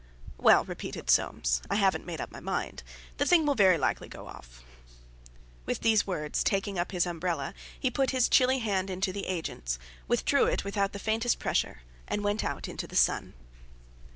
Well, repeated Soames, "I haven't made up my mind; the thing will very likely go off!" With these words, taking up his umbrella, he put his chilly hand into the agent's, withdrew it without the faintest pressure, and went out into the sun.